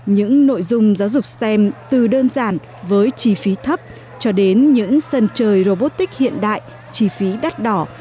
những nội dung giáo dục stem từ đơn giản với chi phí thấp cho đến những sân chơi robotic hiện đại chi phí đắt đỏ